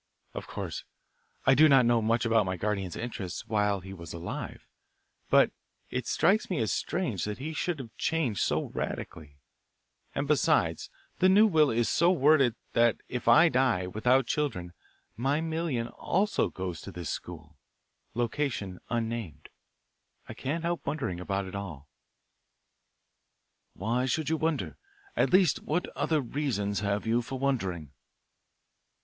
Of course, I do not know much about my guardian's interests while he was alive, but it strikes me as strange that he should have changed so radically, and, besides, the new will is so worded that if I die without children my million also goes to this school location unnamed. I can't help wondering about it all." "Why should you wonder at least what other reasons have you for wondering?"